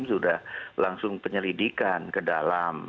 sudah langsung penyelidikan ke dalam